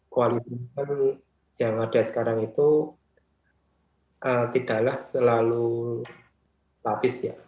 koalisi yang ada sekarang itu tidaklah selalu statis ya